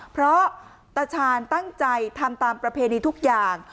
เพราะตาชาญตั้งใจทำตามประเพณีทุกอย่าง